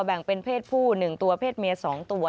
แบ่งเป็นเพศผู้๑ตัวเพศเมีย๒ตัว